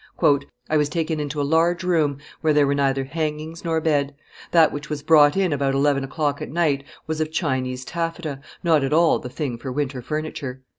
"I was taken into a large room where there were neither hangings nor bed; that which was brought in about eleven o'clock at night was of Chinese taffeta, not at all the thing for winter furniture.